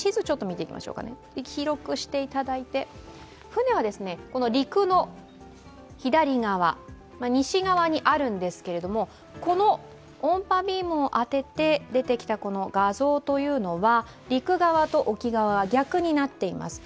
船は陸の左側、西側にあるんですけれども、この音波ビームを当てて出てきた画像というのは陸側と沖側が逆になっています。